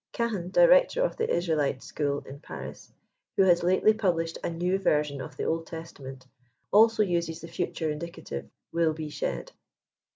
Cahen, director of the Israelite school in Paris, who has lately published a new version of the Old Testament, also uses the future indicative, " will be shed."